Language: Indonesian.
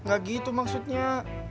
ga gitu maksudnya